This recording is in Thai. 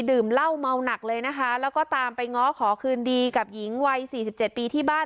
ดื่มเหล้าเมาหนักเลยนะคะแล้วก็ตามไปง้อขอคืนดีกับหญิงวัยสี่สิบเจ็ดปีที่บ้าน